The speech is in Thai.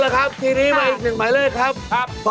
โชว์จากปริศนามหาสนุกหมายเลขหนึ่ง